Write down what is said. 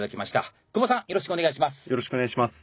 よろしくお願いします。